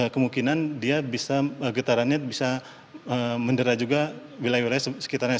kemungkinan dia bisa getarannya bisa mendera juga wilayah wilayah sekitarnya